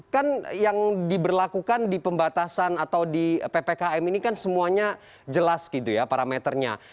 kan yang diberlakukan di pembatasan atau di ppkm ini kan semuanya jelas gitu ya parameternya